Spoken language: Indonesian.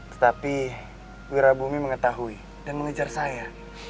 tetapi wirabumi mengetahui dan mengejar saya